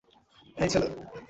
এই, ছেলে।